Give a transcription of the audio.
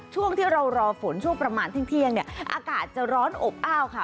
ช่วงที่เรารอฝนช่วงประมาณเที่ยงเนี่ยอากาศจะร้อนอบอ้าวค่ะ